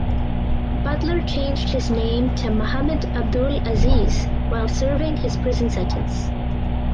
Butler changed his name to Muhammad Abdul Aziz while serving his prison sentence.